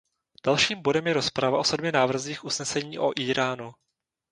Dalším bodem je rozprava o sedmi návrzích usnesení o Íránu.